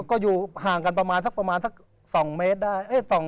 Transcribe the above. ก็อยู่ห่างกันประมาณสัก๒เมตรได้